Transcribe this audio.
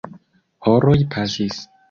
Horoj pasis.